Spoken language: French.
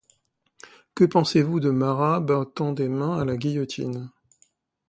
Que pensez-vous de Marat battant des mains à la guillotine?